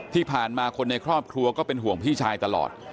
ที่ผ่านมาคนในครอบครัวก็เป็นห่วงพี่ชายตลอด